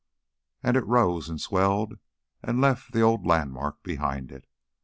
And it rose and swelled and left the old landmarks behind it.